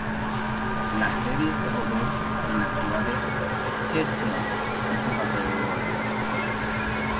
La serie se rodó en la ciudad de Sheffield y sus alrededores.